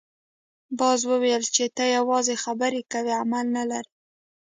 باز وویل چې ته یوازې خبرې کوې عمل نه لرې.